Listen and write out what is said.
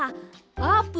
あーぷん！